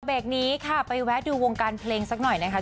เบรกนี้ค่ะไปแวะดูวงการเพลงสักหน่อยนะคะ